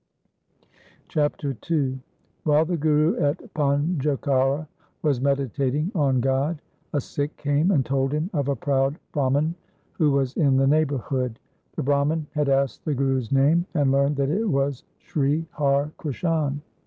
Chapter II While the Guru at Panjokhara 1 was meditating on God, a Sikh came and told him of a proud Brah man who was in the neighbourhood. The Brahman had asked the Guru's name, and learned that it was Sri Har Krishan.